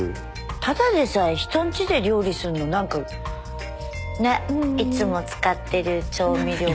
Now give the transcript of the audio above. ただでさえ人んちで料理すんのなんかねえいつも使ってる調味料。